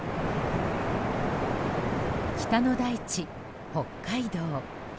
北の大地・北海道。